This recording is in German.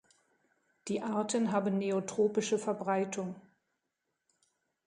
Die Arten haben neotropische Verbreitung.